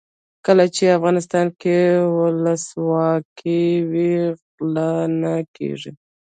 کله چې افغانستان کې ولسواکي وي غلا نه کیږي.